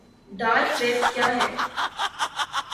dark web کیا ہے